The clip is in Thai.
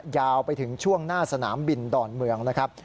ยาวไปถึงช่วงหน้าสนามบินดอนเมืองนะครับ